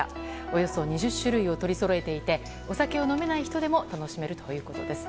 およそ２０種類を取りそろえていてお酒を飲めない人でも楽しめるということです。